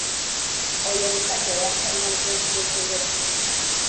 Oyo omusajja yantamya lugezigezi lwe.